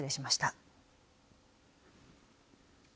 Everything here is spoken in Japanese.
失礼しました。